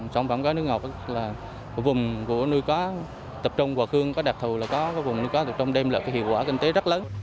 sản phẩm cá nước ngọt là vùng của nuôi cá tập trung hòa khương có đặc thù là có vùng nuôi cá tập trung đem lại hiệu quả kinh tế rất lớn